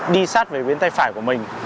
đi sát về bên tay phải của mình